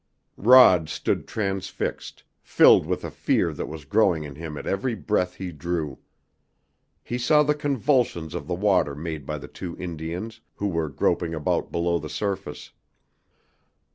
Rod stood transfixed, filled with a fear that was growing in him at every breath he drew. He saw the convulsions of the water made by the two Indians, who were groping about below the surface.